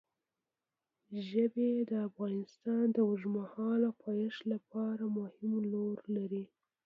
ژبې د افغانستان د اوږدمهاله پایښت لپاره مهم رول لري.